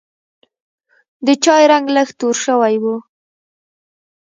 د چای رنګ لږ توره شوی و.